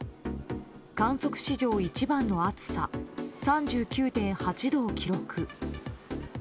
観測史上一番の暑さ３９．８度を記録。